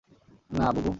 না, বুবু!